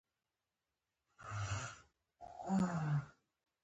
څه یې درته ویلي دي ولې یې ځوروئ.